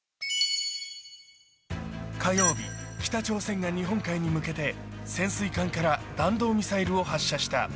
火曜日、北朝鮮が日本海に向けて潜水艦から弾道ミサイルを発射した。